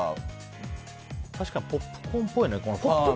確かにポップコーンっぽいね。